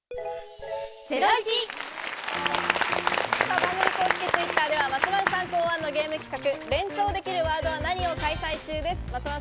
番組公式Ｔｗｉｔｔｅｒでは松丸さん考案のゲーム企画「連想できるワードは何！？」を開催中です。